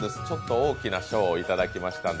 大きな賞をいただきましたので。